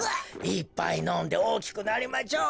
いっぱいのんでおおきくなりまちょうね。